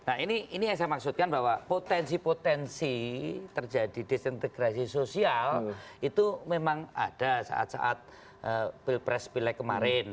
nah ini yang saya maksudkan bahwa potensi potensi terjadi disintegrasi sosial itu memang ada saat saat pilpres pilek kemarin